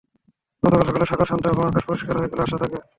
গতকাল সকালে সাগর শান্ত এবং আকাশ পরিষ্কার হয়ে গেলে আশা জাগে।